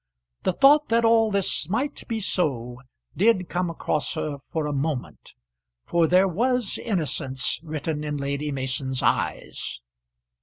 The thought that all this might be so did come across her for a moment, for there was innocence written in Lady Mason's eyes.